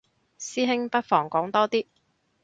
師兄不妨講多啲